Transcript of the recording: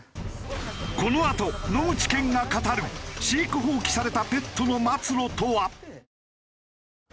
このあと野口健が語る飼育放棄されたペットの末路とは？